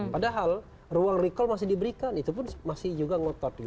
padahal ruang recall masih diberikan itu pun masih juga ngotot